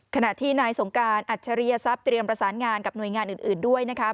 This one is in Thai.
ขณะที่นายสงการอัจฉริยศัพย์เตรียมประสานงานกับหน่วยงานอื่นด้วยนะคะ